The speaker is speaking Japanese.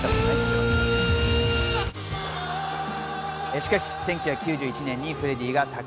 しかし１９９１年にフレディが他界。